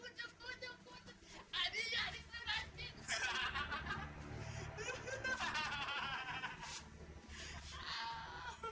udah deh ikut aja sama ibu